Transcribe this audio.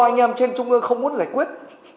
anh em trên trung ương không muốn giải quyết